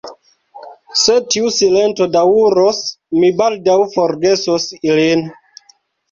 Se tiu silento daŭros, mi baldaŭ forgesos ilin.